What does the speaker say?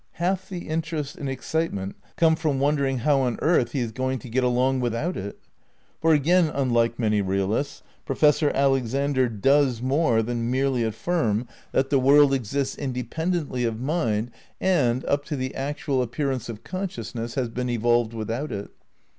Half the interest and excitement come from wondering how on earth he is going to get along with out it. For, again unlike many realists. Professor Alexander does more than merely affirm that the world 164 THE NEW IDEALISM v exists independently of mind and, up to the actual appearance of consciousness, has been evolved without it.